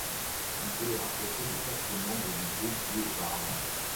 On peut les rapprocher des quatre membres du groupe vues auparavant.